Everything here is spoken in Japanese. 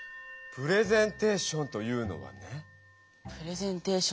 プレゼンテーションというのは？